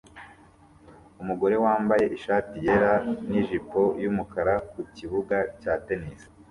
Umugore wambaye ishati yera nijipo yumukara ku kibuga cya tennis